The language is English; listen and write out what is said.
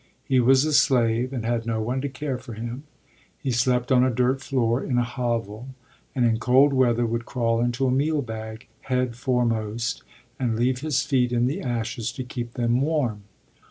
He was a slave and had no one to care for him. He slept on a dirt floor in a hovel and in cold weather would crawl into a meal bag, headforemost, and leave his feet in the ashes to keep them warm.